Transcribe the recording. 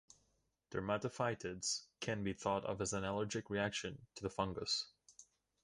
Dermatophytids can be thought of as an allergic reaction to the fungus.